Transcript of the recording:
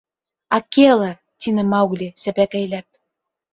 Акела! — тине Маугли, сәпәкәйләп.